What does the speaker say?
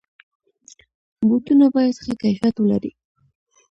بوټونه باید ښه کیفیت ولري.